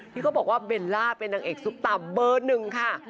ที่เขาบอกว่าเบลล่าเป็นนางเอกซุปตาเบอร์หนึ่งค่ะ